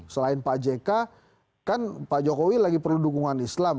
selain pak jk kan pak jokowi lagi perlu dukungan islam